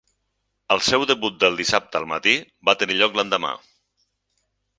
El seu debut del dissabte al matí va tenir lloc l'endemà.